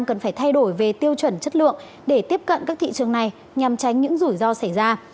cần phải thay đổi về tiêu chuẩn chất lượng để tiếp cận các thị trường này nhằm tránh những rủi ro xảy ra